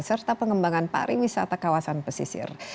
serta pengembangan pariwisata kawasan pesisir